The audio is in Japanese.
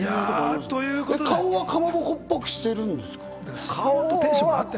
顔はかまぼこっぽくしてるんですか？